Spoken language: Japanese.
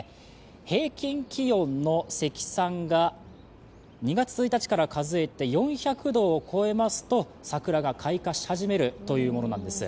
平均気温の積算が２月１日から数えて４００度を超えますと、桜が開花し始めるというものなんです。